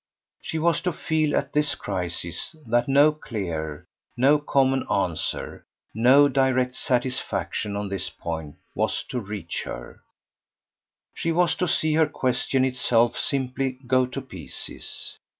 She was to feel at this crisis that no clear, no common answer, no direct satisfaction on this point, was to reach her; she was to see her question itself simply go to pieces.